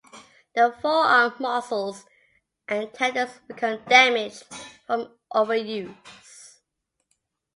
The forearm muscles and tendons become damaged from overuse.